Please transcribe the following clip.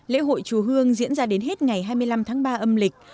lễ hội chùa hương diễn ra đến hết ngày hai mươi năm tháng ba âm lịch